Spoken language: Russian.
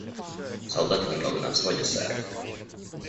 Солдаты немного на взводе, сэр.